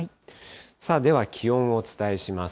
さあでは、気温をお伝えします。